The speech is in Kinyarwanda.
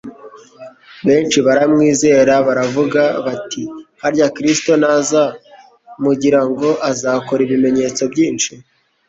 Benshi baramwizera baravuga bati : "Harya Kristo naza mugira ngo azakora ibimenyetso byinshi